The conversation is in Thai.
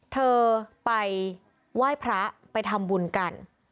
เธอไปไหว้พระไปทำบุญกัน